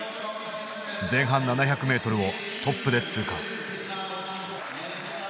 前半７００ｍをトップで通過。